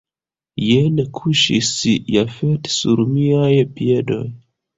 Jen kuŝis Jafet sur miaj piedoj.